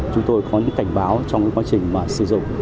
chúng tôi có những cảnh báo trong quá trình mà sử dụng